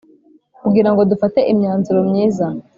Kugira ngo dufate imyanzuro myiza